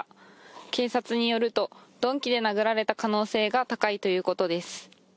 警察によると鈍器で殴られた可能性が高いということです。